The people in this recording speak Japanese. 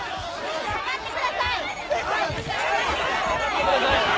下がってください！